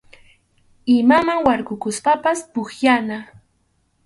Imaman warkukuspapas pukllana.